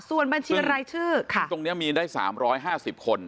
ส่วนบัญชีรายชื่อตรงนี้มีได้๓๕๐คน